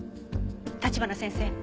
橘先生。